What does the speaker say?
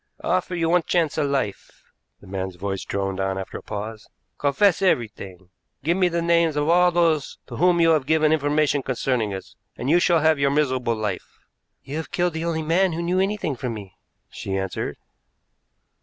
"I offer you one chance of life," the man's voice droned on after a pause. "Confess everything. Give me the names of all those to whom you have given information concerning us, and you shall have your miserable life." "You have killed the only man who knew anything from me," she answered.